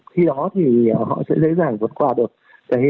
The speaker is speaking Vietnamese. khi đó thì họ sẽ dễ dàng vượt qua đường xe